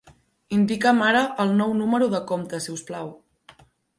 Indica'm ara el nou número de compte, si us plau.